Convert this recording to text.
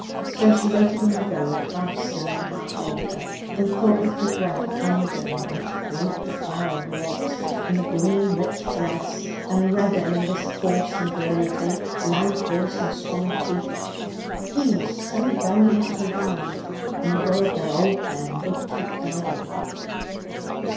So she waited in the road, half snow and half water, and thought with regret of Undern and its great fire of logs, and the green rich dress, and Reddin with his force and virility, loud voice, and strong teeth. He was so very much alive in a world where old men would keep dying.